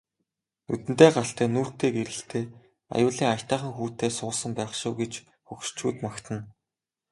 Нүдэндээ галтай нүүртээ гэрэлтэй аюулын аятайхан хүүтэй суусан байх шив гэж хөгшчүүд магтана.